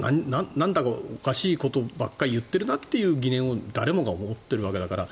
なんだかおかしいことばっかり言っているなという疑念を誰もが思っているわけだから。